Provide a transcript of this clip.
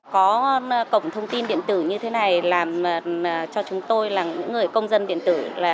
có cổng thông tin điện tử như thế này làm cho chúng tôi là những người công dân điện tử